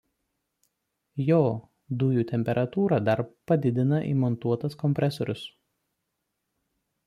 Jo dujų temperatūrą dar padidina įmontuotas kompresorius.